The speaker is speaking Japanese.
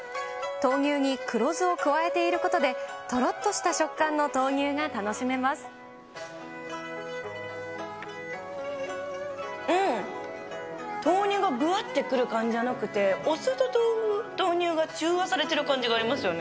豆乳に黒酢を加えていることで、とろっとした食感の豆乳が楽しめうん、豆乳がぶわってくる感じじゃなくて、お酢と豆乳が中和されてる感じがありますよね。